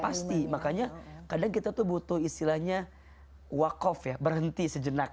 pasti makanya kadang kita tuh butuh istilahnya wakof ya berhenti sejenak